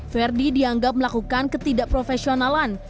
verdi dianggap melakukan ketidakprofesionalan